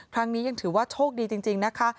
ครั้งนี้ยังถือว่าโชคดีจริงนะคะ